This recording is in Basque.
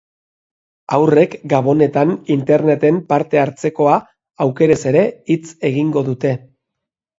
Haurrek gabonetan interneten parte hartzekoa aukerez ere hitz egingo dute.